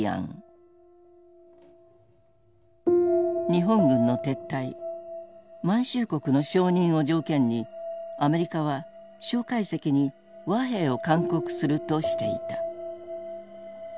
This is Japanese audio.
日本軍の撤退満州国の承認を条件にアメリカは蒋介石に和平を勧告するとしていた。